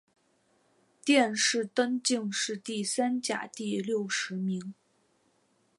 殿试登进士第三甲第六十名。